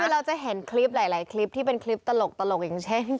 คือเราจะเห็นคลิปหลายคลิปที่เป็นคลิปตลกอย่างเช่น